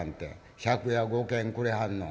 借家５軒くれはんの？